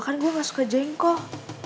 kan gue gak suka jengkol